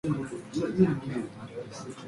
马特河畔马雷斯。